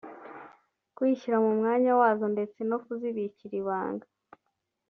kwishyira mu mwanya wazo ndetse no kuzibikira ibanga